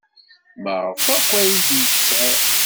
Maɣef akk ay d-yetter?